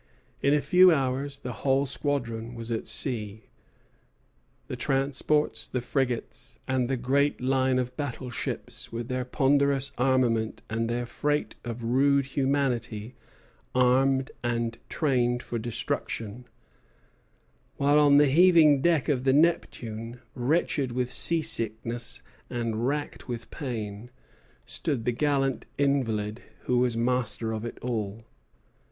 In a few hours the whole squadron was at sea, the transports, the frigates, and the great line of battle ships, with their ponderous armament and their freight of rude humanity armed and trained for destruction; while on the heaving deck of the "Neptune," wretched with sea sickness and racked with pain, stood the gallant invalid who was master of it all.